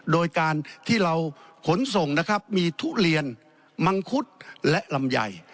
โดยการที่เราขนส่งนะครับมีทุเรียนมังคุดและลำไย